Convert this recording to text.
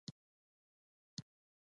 آیا چې موږ ټول یې نه غواړو؟